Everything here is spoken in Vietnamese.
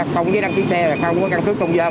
không có giấy đăng ký xe không có căn cứ công dân